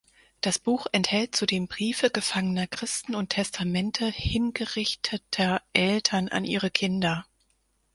Das Buch enthält zudem Briefe gefangener Christen und Testamente hingerichteter Eltern an ihre Kinder.